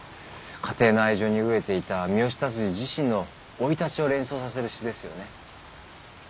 家庭の愛情に飢えていた三好達治自身の生い立ちを連想させる詩ですよね。